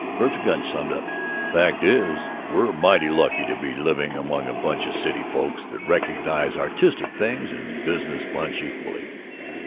Vergil Gunch summed it up: "Fact is, we're mighty lucky to be living among a bunch of city folks, that recognize artistic things and business punch equally.